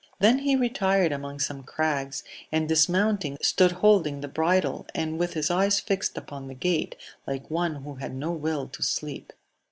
Then he retired among some crags, and, dismounting, stood holding the bridle, and with his eyes fixed upon the gate, like one who had no will to sleep.